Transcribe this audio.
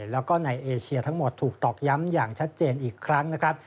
แล้วก็ในเอเชียทั้งหมดถูกตอกย้ำอย่างชัดเจนอีกครั้งนะครับ